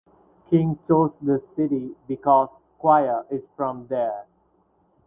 King chose this city because squire is from there.